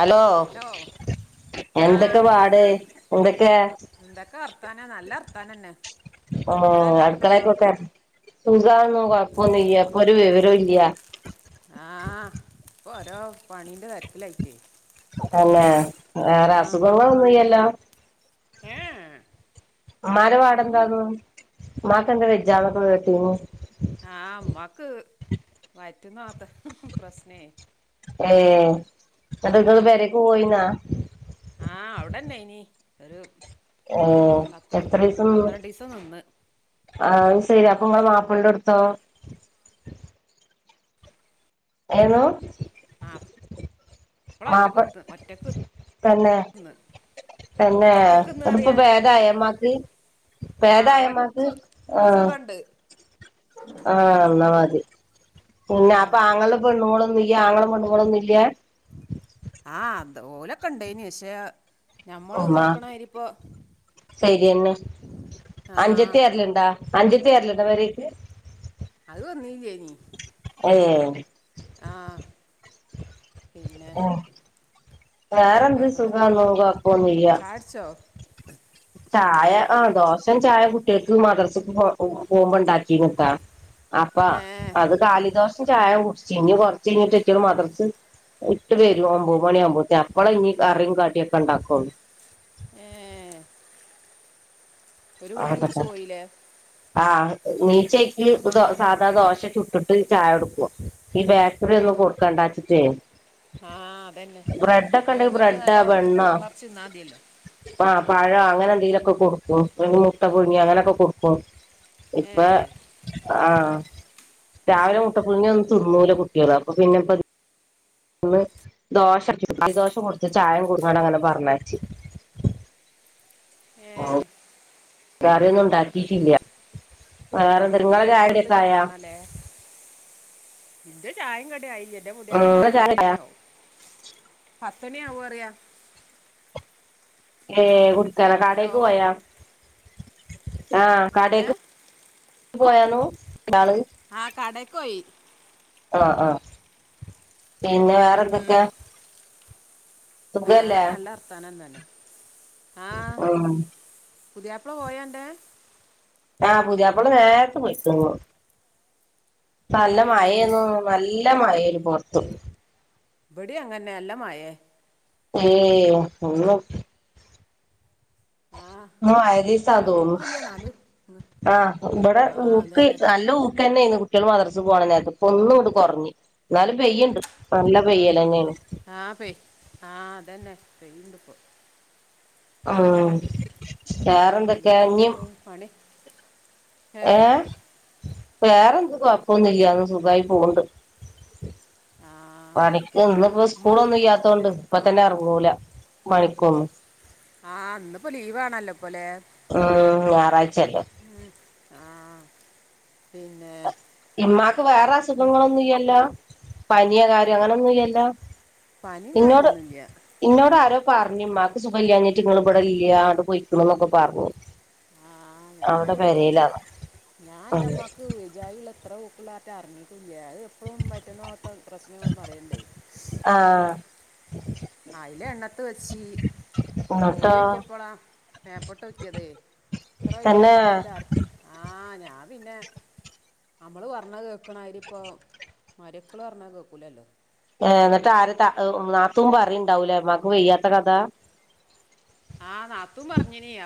Hello ആഹ് എന്തൊക്കെ വർത്താനാ നല്ല വർത്താ നന്നെ ആഹ് അട്ക്കളേക്കോക്കെ [unintelligible] കൊഴപ്പം ഒന്നുല ഇപ്പോ ഒര് വിവരം ഇല്ല്യാ ആഹ് ഇപ്പൊ ഓരോ പണീന്റെ തേരക്കിലായിട്ടേ തന്നെ വേറെ അസുഖങ്ങള് ഒന്നും ഇല്ലാ അല്ലോ ഏ ഉമ്മാൻ്റെ അസുഖങ്ങളും [unintelligible] ഉമ്മാക്കെന്താ വെജജാലക്ക. [unintelligible] ആ അമ്മക്ക് [unintelligible] പ്രശ്നേ ഏഹ് എന്നിട്ട് നിങ്ങള് പെരേക്ക് പോയിനാ. ആഹ് അവിടന്നെ ഇനി ഒരു ഏഹ് പത്ത് എത്ര ദിവസം നിന്ന്. പന്ത്രണ്ട് ദിവസം നിന്ന് ആഹ് ശെരി അപ്പൊ ഇങ്ങളെ മാപ്പിളടടുത്തോ? [unintelligible] ആഹ് അപ്പളാ മാപ്പ ഒറ്റ [unintelligible] പിന്നെ അടുപ്പ ഭേദയ മ്മാക്ക്. ആ ഒറ്റ ഭേദയമ്മാക്ക് സു- ഇപ്പൊ ആഹ്. സുഖണ്ട് ആഹ് ഒന്നാ മതി. പിന്നെ ആ അപ്പൊ അങ്ങളുടെ പെണ്ണുടെ ആങ്ങളെ പണ്ടപോളൊന്ന ഇല്ല അത്പോലൊക്ക ഉണ്ടേനി പക്ഷേ ഓമാ ശരിയന്ന് ആ അഞ്ചതി ആരെലുണ്ടാ അഞ്ചത്തേരല്ലട വരക്ക് അത് വന്നീചേനി. ഏ ആഹ് പിന്നെ. ഏഹ് വേറെന്ത് വേറെന്താ സുഖം നോവാക്കോന്നില്ല. ചാടിച്ചോ ചായ ആഹ് ദോശം ചായ കുട്ടികക്ക് മദർത്തിക്ക് പോകുമ്പോ ഉണ്ടാക്കിന്നട്ടാ. അപ്പ ഏ അത് കാലിദോശേം ചായ കുടിച്ച് ഇനി കൊറച്ച് കഴിഞ്ഞിട്ട ഒക്കട് മദർ ഇട്ട് വരും ഒമ്പത് മണിയ ആവുമ്പോത്തേ അപ്പള ഇനി കറിയും കാട്ടിയൊക്കെ ഇണ്ടാക്കുള്ളു. ഏ ഒരു കുടി കുടിച്ചു ആകട്ടെ പോയില്ലേ. ആഹ് നീച്ചയ്ക്ക് സാധാ ദോശ ചുട്ടിട്ട് ചായ എടുക്കുവാ. ഈ ബേക്കറി ഒന്നും കൊടുക്കണ്ടച്ചിട്ടേ. ആഹ് അതന്നെ ഞാൻ ഒന്നിട്ട് ബ്രെഡ് നല്ലോ വളർച്ച ഇന്നാതിയല്ലോ. പഴ അങ്ങനെ എന്തെങ്കിലൊക്കെ കൊടുക്കും. അല്ലെങ്കി മുട്ട പുഴുങ്ങി അങ്ങനെക്കെ കൊടുക്കും. ഏ ഇപ്പ ആഹ് അത് രാവിലെ ശരി മുട്ടപ്പുഴുങ്ങി ഒന്ന് തിന്നൂല കുട്ടികള് അപ്പൊ പിന്നെ ഒന്ന് ദോശ ഈ ദോശം കൊടുത്ത് ചായം കൊടുക്കൻ അങ്ങനെ പറഞ്ഞച്ചി. [inaudible] ഏ വേറെന്നും അത് ഉണ്ടാക്കിട്ടില്ല ഉം, വേറെ ഇനി നിങ്ങളെ വരുമ്പോഴത്തെ ചായടിക്കെ ഇനി ആയാ. ഉണ്ടാക്കാല്ലേ ഇന്റെ ചായയും കട ആയില്ല. എന്റെ പുതിയാപ്ല നിങ്ങളെ വരുമ്പ ചായ പത്തനിയാവും. പത്തനി ആവു അറിയ ഏ കുടുത്താന കാടേക്ക് പോയാ. ആഹ് കാടേക്ക് ഏ പോയന്നു. ആഹ് കടെക്കോയി. ആഹ് ആഹ് പിന്നെ വേറെ ഉം, എന്തൊക്കെയാ. വേറെ കല്ലർത്താനം തന്നെ. ആഹ് ഉം പുതിയപ്പള പോയണ്ടേ. ആഹ് പൂതിയാപ്പള നേരത്ത് പോയിക്കന്ന. ഏ നല്ല മഴന്ന് നല്ല മഴയില് പൊർത്ത്. ഇവിടി അങ്ങനെ എല്ലാംമയെ. ഏ ഒന്നും ആ നല്ല മായരിസാധോ ഊക്കില്ല നാല് ആഹ് ഇവിടെ ആ ഊക്ക് അതന്നെ നല്ല ഊക്ക് തന്നെ. ആ കുട്ടികൾ മദറസെ പോണം. നേരത്തെ പൊന്നും ഇണ്ട് കുറഞ്ഞ് എന്നാലും പെയ്യുണ്ട്. ആഹ് ആഹ് പെ ആഹ് അതന്നെ പെയണ്ട്പ്പോ. ആ പിന്നെ വേറെന്തൊക്കെ ഇഞ്ഞും എന്തൊക്കെയുണ്ട് പണി ഏ വേറെന്ത് കൊഴപ്പൊന്നില്ലന്ന് സുഖമായി പോന്നുണ്ട് ആ പണിക്ക് ഇന്ന് ഇപ്പോ ഉമ്മ വന്നി സ്കൂളൊന്നും ഇല്ലാത്ത കൊണ്ട് ഇപ്പൊ തന്നെ ഇറങ്ങൂല മഴക്കെന്ന് ആഹ് ഇന്നിപ്പോ ലീവ് ആണല്ലോ ഉം ഞായറാഴ്ചല്ലോ ആ പിന്നെ ഇമ്മാക്ക് വേറെ അസുഖങ്ങളൊന്നും ഇല്ലല്ലോ പനിയോ കാര്യോ അങ്ങനെന്നും ഇല്ലല്ലോ പനിയും ഇന്നോട് കാര്യമൊന്നുമില്ല ഇന്നോട് ആരോ പറഞ്ഞുമ്മാക്ക് സുഖം ഇല്ലാഞ്ഞിട്ട് ഇങ്ങള് ഇവിടെ ഇല്ല അങ്ങട് പൊയിക്കുണു എന്നൊക്കെ പറഞ്ഞു ആ അവിടെ ഞാനത് പോ പെരേലാണ് ഞാൻ എന്റെമ്മക്ക് വിജായിൽ എത്ര ഹുക്കുള്ള അറിങ്ങിട്ട അല്ല അത് എപ്പോഴും വഴിറ്റിന്ന് പോകാത്ത പ്രശ്നങ്ങൾ പറയുണ്ടേ ആഹ് അയില എണ്ണത്ത് വെച്ചി പോയി എന്നിട്ടോ നോക്കിയപ്പളാ മേപ്പട്ട് നോക്കിയത് ഇത്ര തന്നെ വിചായിള്ളേച്ചാർ ആ ഞാൻ പിന്നെ നമ്മള് പറഞ്ഞത് കേക്കണമാരി ഇപ്പ മരക്കള് പറഞ്ഞാ കേക്കൂലല്ലോ ഏ എന്നിട്ട് ആര് ത നാത്തൂൻ പറുണ്ടാവൂല്ലേ ഉമ്മാക്ക് വയ്യാത്ത കഥ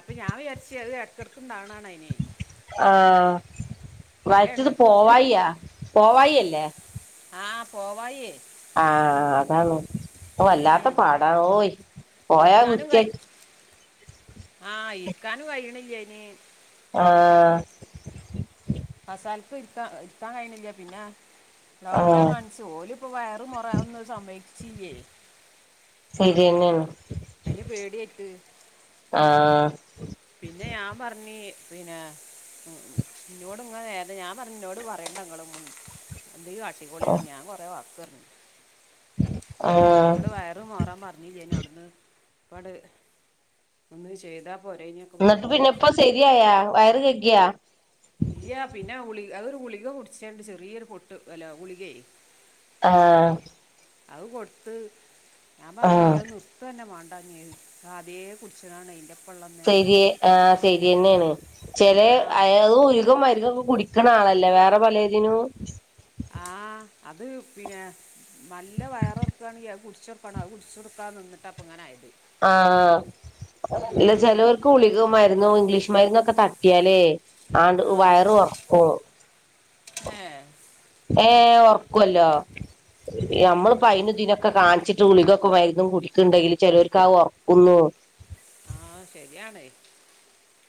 അപ്പൊ ഞാൻ വിരിച്ചത് അത് ഇടക്കിടക്ക് ഉണ്ടാകുന്നതാണ് അതിനെ ആ വയറ്റീന്ന് എണ്ണത്ത് പോവായി്യ പോവായിയല്ലേ ആ പോവായി ആ അതാണ് ഓ വല്ലാത്ത ഉം, പാടാ ഓയി പോയാ ഇരിക്കാനും വ്യത്തി- കൈ കാനും കഴിയിണ്ടില്ലതിന് ആ ഫസാലത്തും ഇരുത്താ ഇരുത്താൻ കഴുന്നില്ല പിന്നെ ഡോക്ടറെ ആഹ് കാണിച്ചു ഓല് ഇപ്പോ വയറ് മുറാന്ന് സംന്മതിച്ചില്ലേ ശരി തന്നെയാണ് അതിന് പേടിയായിട്ട് ആഹ് പിന്നെ ഞാൻ പറഞ്ഞി പിന്നെ ഉം ഉം ഇന്നോട് ഇങ്ങ ഞാൻ പറഞ്ഞ ഇന്നോട് പറയണ്ടങ്ങളെന്നും എന്തങ്കിലും കാട്ടിക്കോളി പറഞ്ഞ ഞാൻ കുറെ വക്ക് പറ- ആഹ് അവിടെ വയറ് മോറാൻ പറഞ്ഞില്ലന്ന് അവിടുന്ന് അങ്ങട് ഒന്ന് ചെയ്താ പോര എന്നിട്ട് പിന്നെ ഇപ്പ ശരിയായ വയറ് കഴുക്കിയാ ഇല്ല പിന്നെ ഗുളിക അതൊരു ഗുളിക കുടിച്ചണ്ട് ചെറിയൊരു പൊട്ട് അല്ല ഗുളികയെ ആ ആ അത് കൊടുത്ത് ഞാൻ പറഞ്ഞ് ആഹ് അത് നിർത്തതന്നെ മേണ്ട തന്നെ അതേ കുടിച്ചതാണ് അതിന്റെ ശരിയ ആ ശരി തന്നെയാണ് ചില ആ അത് ഓലുക്കും മരുന്നക്കെ കുടി- ക്കണ ആളല്ലേ വേറെ പലതിനും ആ അത് പിന്നെ നല്ല വയറൊറക്കാണങ്കി അത് കുടിച്ചൊർക്കണോ കുടിച്ചൊർക്കണം അ നിന്നട്ടിപ്പം ഇങ്ങന ആയത് ആ ഇല്ല ഉം. ചിലവർക്ക് ഗുളിക മരുന്നു ഇംഗ്ലീഷ് മരുന്നൊക്കെ തട്ടിയാലേ ആ വയറ് വറുക്കും ആ ഏഹ ഉറക്കുമല്ലോ ഏ. നമ്മള് പൈനുദിനൊക്കെ കാണിച്ചിട്ട ഗുളികക്കെ മരുന്നും കുടിക്കുന്നുണ്ടെങ്കിൽ ചിലർക്ക് ആ ഉറക്കുന്നു ആ ശരിയണ്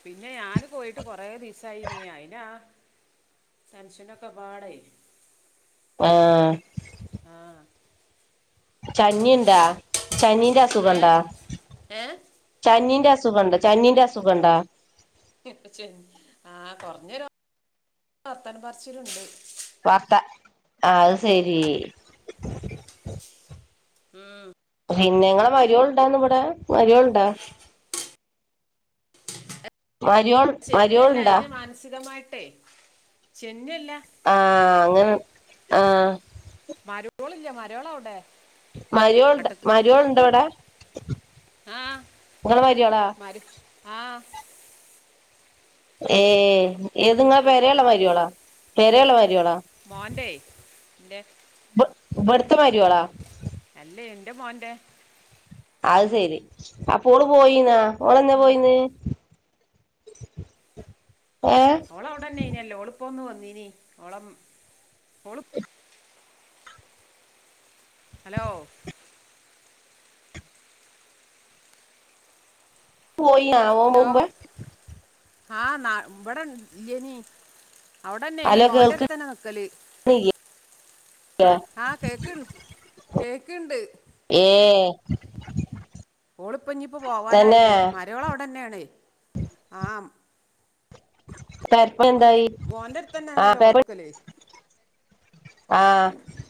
പിന്നെ ഞാന് പോയിട്ട് കൊറെ ദിസ ആയിയി അതിനാ ടെൻഷനൊക്കെ പാടായി ആ ആഹ ചനിയുണ്ടാ ചനീന്റെ ഏ അസുഖംണ്ടാ ഏ ചനീന്റെ അസു അസുഖണ്ട് ചനീന്റെ അസുഖണ്ടോ ആ കുറഞ്ഞ വർത്തൻ പറിച്ചിലുണ്ട് പത്ത അത് ശരി ഉം പിന്നെങ്ങളെ മാരോലുണ്ടോ ഇവിടെ മാരോലുണ്ടോ ചെന്നല്ല മരോൾണ്ടാ അതിനെ മാനസികമായിട്ടേ ചെന്നല്ല ആഹ മരക്കോലില്ല മരോളവിടെ മരോ മരഡ്ഡ് വിടെ ആഹ മാ ആഹ ഏ ഏത്ങ്ങാ പേരയുള്ള മാരിളാ പേരയുള്ള മാ മോൻന്റെ എന്റെ ഇവിടുത്തെ മാരോല അല്ലേ എന്റെ മോന്റെ അത് ശെരി അപ്പോ ഓള് പോയിന്നാ ഓളന്താ ഉം. പോയിന്ന് [unintelligible] ഓള അവിടെന്നെ ഇനല്ലേ ളുപ്പ ഒന്ന് വന്നീനി ഓള ഓള ഹലോ പോയിന ഹാ നാ വട ലനി അവിടന്നെ ഇനി ഹലോ മോന്റടുത്തനെ നിക്കല് കേൾക്ക്ണില്ലേ ആഹ് കേക്കണ്ട് കേക്കണ്ട് ഏഹ് ഓളിപ്പ ഇഞ്ഞപ്പ തന്നെ പോവാനായിട്ട മരോള അവിടെന്നെയണ ആം പ മോന്റെ അടുത്ത് തന്നെയാണല്ലോ ഒളുക്കല്ലേ ആ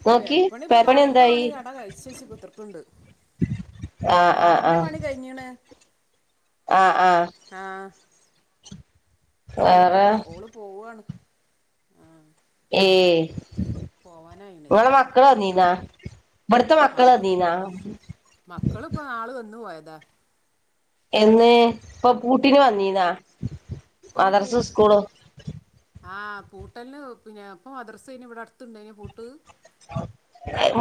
നോക്കി പെരപ്പണി ഇപ്പൊ താറിന്റെറെ എന്തായി പണിട കഴിച്ച ശച്ചി കുത്തിർക്കുണ്ട് ആ തറന്റെ പണി കഴിഞ്ഞീണ് ആഹ ആഹ അപ്പൊ ഇനിയിപ്പോ വേറെ ഓള് പോവാണ് ആഹ ഏ ഇടെെ ഇപ്പ മക്കളാ വനീനാ ബർത്ത മക്കള മക്ക ദീനാ അന്ദ എന്ന് ഇപ്പൊ പൂട്ടിന് വന്നീന്നാ. മദർസ് സ്കൂള ആ കൂട്ടന് പിന്നെ ഇപ്പ മദ്രസേെ ഇവിടെ അടുത്തുണ്ടെ കൂട്ട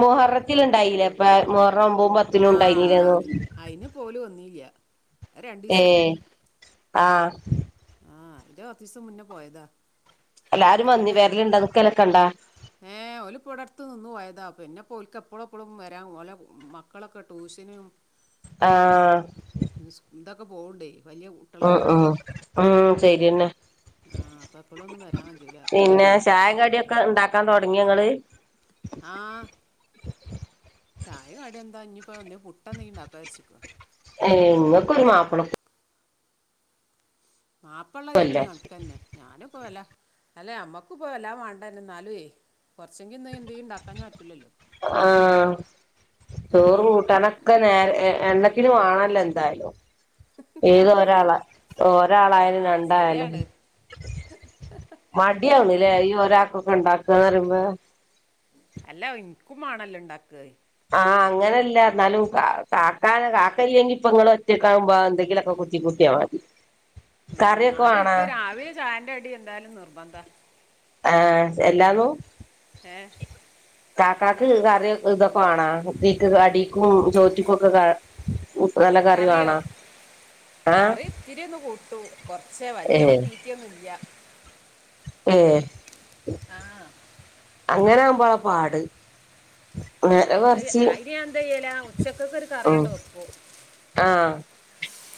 മഹറത്തി ഇണ്ടായില്ല ഇപ്പ മൊഹർണം ഒമ്പും പത്തിനും ഉണ്ടായിനില്ലന്നു. രണ്ടു ദിവസല്ലേ ആഹ ആഹ് കുറച്ചീസം മുന്നേ പോയതാ എല്ലാരും നന്ദി വേരലണ്ട നിക്കലൊക്കണ്ടാ. ഉം ഓലിപ്പോ അടുത്ത് നിന്നു പോയതാ. പിന്നെപ്പോ ഒക്ക് എപ്പോഴും എപ്പോഴും വരാം ഓലെ മക്കളൊക്കെ ട്യൂഷനും ആഹ ഒക്കെ പോകണ്ടേ വലിയ ഉ കുട്ടികളല്ലേ ഉ ഉം ശര്യേന്നെ ആ അപ്പൊ എപ്പോഴൊന്നും വരാൻ പറ്റൂല പിന്നെ ചായങ്കടിയൊക്കെ ഉണ്ടാക്കാൻ തുടങ്ങ കുഞ്ഞങ്ങള് ആഹ ചായ കട എന്താ ഇഞ്ഞപ്പ ഒ പുട്ട നീ ഉണ്ടാക്കാ വിരിച്ചിക്കുവ എങ്ങക്കരു മാപ്പളക്ക മാപ്പള്ള റേറ്റി കണക്ക തന്നെ ഞാനും പോ അല്ലേ അല്ലെ അമ്മക്ക ഇപ്പ എല്ലാം വേണ്ടന്നെ എന്നാലേ ണ്ടൻഞ ആഹ ചോറും കൂട്ടണക്കെ നേരെ എണ്ണക്കിന് വേണല്ലോ എന്തായാലും ഏ ഏത് അതന്നെ ഒരാളാ ആ ഒരാളായാലും രണ്ടായാലും ശരിയാണ് ഓ മടിയണല്ലേ ഈ ഒരാക്കൊക്കെ ഇണ്ടാക്കന്ന് പറുമ്പോ അല്ല ഇനിക്കും ആണല്ലോ ഉണ്ടാക്ക ആഹ് അങ്ങനെയല്ല എന്നാലും കാക്കാന കാക്കയിെങ്കി ഇപ്പൊ ഇ ഒറ്റക്കാാവുമ്പോ എന്തെങ്കിലുംൊക്കെ കുത്തി കുട്ടി [inaudible] ഉം എന്നാലും ഇപ്പ രാവിലെ ചായറെ അടി എന്തായാലും നിർബന്ധം ആഹ എല്ലാന്നു ഏ ചാക്കക്ക് കറ ഇതൊക്കെ വണാ തീക്ക് അടിക്കും ചോറ്റിക്കും ഒക്കെ നല്ല കറിയോ കറിവാണാ കറി ഇത്തിരിയ ഒന്ന് കൂട്ടു കൊറച്ചേ വലിയ തീറ്റിയൊന്നും ഇല്ല ഏ ആഹ അങ്ങനെ ആകുമ്പോളെ പാട് നേരെ അത് മറിച്ച് അയിന് എന്ത ചെയ്യല ഉച്ചക്കൊക്കെ ഒരു ഉം കറയണ്ട വെപ്പ ആഹ്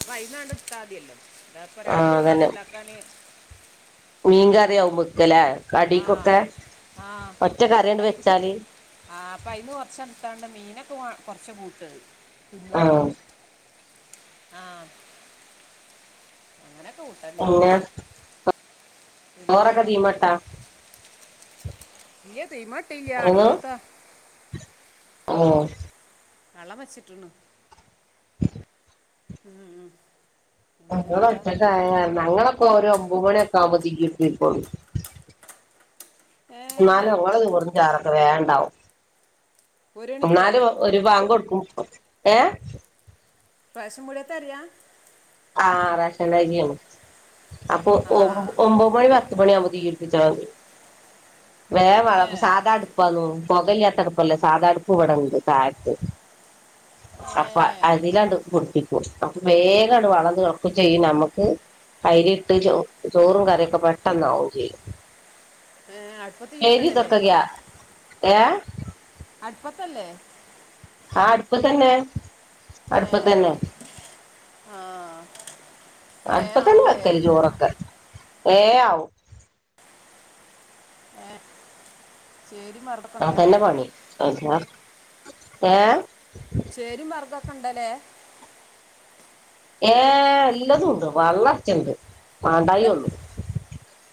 വൈകുന്നാണ്ട് ഇട്ടാതില്ലോ ആഹ അതന്നെ മീൻ കറിയ ആകുമ വക്കല്ലേ ആഹ ആഹ കറിയണ്ട് കയി വെച്ചാല് ആഹ് അപ്പ അയിന്ന കുറച്ച ത്താണ്ട് മീനൊക്കെ കൊറച്ച പൂട്ടത് ന്ന ആഹ് ആഹ അങ്ങനെ പിന്നെ ചോറ ക്കെ തീമട്ടോ ഇ ചെയ്യമാട്ടെല്ല അടുപ്പത്താ ആഹ കള വെച്ചിട്ടന്ന് ഉം ഉ അച്ചട്ട ഞങ്ങള അപ്പൊ ഒരു ഒമ്പത് മണിയൊക്കെ ആവുമ്പോത്തക്കിട്ടയി പോു ഏ എന്നാലും ഓള കുറ ചറൊക്കെ വേണ്ടാവും ഒരു മണിക്കോ ഒന്നാല് ഒരുപാങ്ങ കൊടുക്കും ഏ റേഷപീടിയത്തെ അരിയാ ആറസനാണ് അപ്പൊ ആ ഒമ്പോ മണി ഭക് പണി അ വേ ഏ വേവും സദാ അടുപ്പാന്നു പുകലാത്തടപ്പല്ല സാധാ അടുപ്പൂവിടണ്ട് തായത്ത് ഏ സഫ അതിലാണ്ട് പുടിപ്പിക്കും അപ്പൊ വേഗ വളക്കും ചെയ്യും നമുക്ക് കൈരി ഇട്ട് ചോ ചോറും കറിയൊക്കെ പെട്ടെന്നാവും ചെയ്യും ഏ, അടുപ്പത്ത് രി ചൂട്ടലല്ലേ തക്കക്ക ഏ അടുപ്പത്തല്ലേ അടുപ്പ തന്നെ അടുപ്പ തന്നെ ആഹ അടുപ്പ തന്നെ വെക്കല് ചോറൊക്കെ വേആവും ആഹ അതന്നെ പണി എന്നാ ഏഹ് ശരി മർഗ്ഗൊക്കെ ഇണ്ടല്ലേ ഏർ എല്ലതും ഉണ്ട് വെള്ളർച്ചുണ്ട് മണ്ടായി ഒന്ന്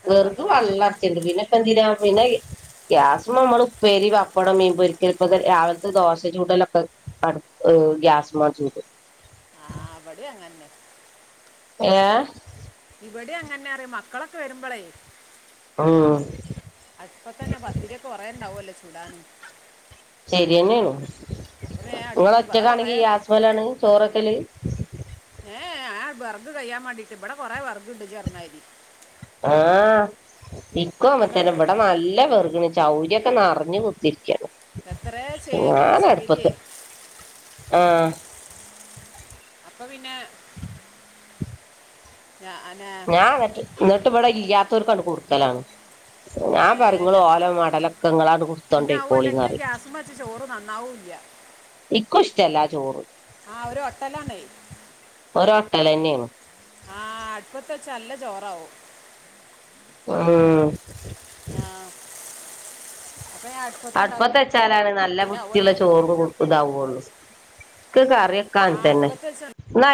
വേറക്ക് അതന്നെ വെള്ള ഇറച യുണ്ട് പിന്നെ ഇപ്പ എന്തിനാ പിന്നെ ഗ്യാസും നമ്മൾ ഉപ്പേരി പപ്പടവും മീൻപൊരിക്കൽ ഒക്കെ രാവിലത്തെ ദോശ ചുടലൊക്കെ ഗ്യാസ് മജുര് ആഹ അവിടെയും അങ്ങനെ തന്നെ ങേ ഇവിടെ അങ്ങനെ അറിയ മക്കളൊക്കെ വരുമ്പോളേ ഉം അപ്പ തന്നെ പത്തിരിയൊക്കെ കുറേയുണ്ടാവല്ലോ ചുടാൻ ശരിയന്നെയണ നിങ്ങള് അടുപ്പത്ത് പട കുറേ ഒറ്റക്കാണെങ്കി ഗ്യാസ് വേലാണ് ചോറൊക്കല് ഉ ഏ ആ വിറക് കഴിയാൻ വേണ്ടീയിട്ട് ഇവിടെ കൊറെ വിറക് ഉണ്ട് ഇ പറഞ്ഞമാരി ആഹ ഇക്കും അത് അങ്ങനെതന്നെ ഇവിടെ നല്ല വെറുക് ചൗരിയൊക്കെ നിറഞ്ഞ് കുത്തിരിക്കയാണ് എത്ര ഞാൻ ശകരിയേ അടുപ്പത്ത് ആഹ അപ്പൊ പിന്നെ ഞാൻ ഞാൻ എന്നിട്ട് എന്നിട്ട് ഇവിടെ ഇല്ലാത്തവർ കണ്ട് കൊടുക്കലാണ് ഞാൻ പറഞ്ഞു നിങ്ങൾ ഞാൻ ഓല മടലൊക്കെ നിങ്ങളാണ് പിന്നെ കുടുത്തോണ്ടേക്കിരോളിന്ന് ഇ ഇക്കും ഇഷ്ടല്ല ആ ചോറ് ഒരു ഒട്ടലാണേ ഒരോട്ടലന്നെയാണ് ആഹ അടുപ്പത്ത് വച്ച നല്ല ചോറാവും ഉം ആഹ അടുപ്പത്തെ വച്ചാലാണ് നല്ല പിന്നെ വൃത്തിയുള്ള ആവുമല്ലോ ചോറ് കൊടുക്ക ഇതാവയുള്ളു ക്ക് കറിയൊക്കാൻ ആ തന്നെ അടുപ്പത്ത് വെച്ച് നി